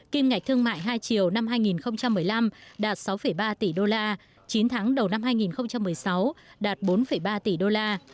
kim ngạch thương mại hai triệu năm hai nghìn một mươi năm đạt sáu ba tỷ đô la chín tháng đầu năm hai nghìn một mươi sáu đạt bốn ba tỷ đô la